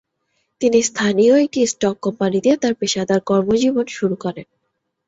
তিনি স্থানীয় একটি স্টক কোম্পানিতে তার পেশাদার কর্মজীবন শুরু করেন।